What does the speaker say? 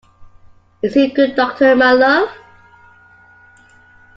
Is he a good doctor, my love?